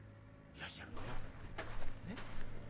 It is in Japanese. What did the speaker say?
いらっしゃるのよ。